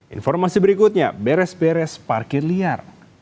informasi berikutnya beres beres parkir liar